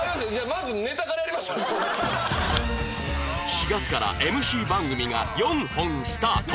４月から ＭＣ 番組が４本スタート